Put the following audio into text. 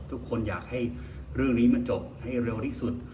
ทุกคนอยากให้เรื่องนี้มันจบให้เร็วที่สุด